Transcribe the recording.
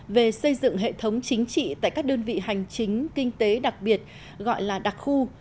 về xây dựng hệ thống chính trị tại các đơn vị hành chính kinh tế đặc biệt gọi là đặc khu